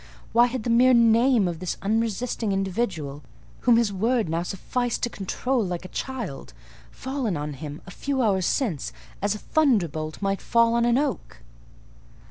Why had the mere name of this unresisting individual—whom his word now sufficed to control like a child—fallen on him, a few hours since, as a thunderbolt might fall on an oak?